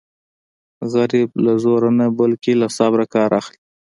غریب له زوره نه بلکې له صبره کار اخلي